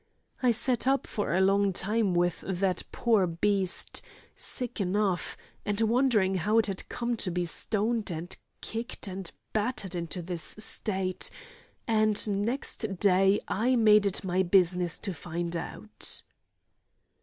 I sat up for a long time with that poor beast, sick enough, and wondering how it had come to be stoned and kicked and battered into this state; and next day I made it my business to find out."